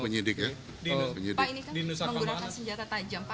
pak ini kan menggunakan senjata tajam pak